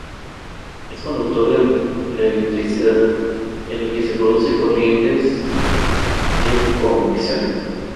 Es conductor de la electricidad, en el que se produce corrientes de convección.